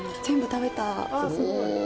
全部食べた。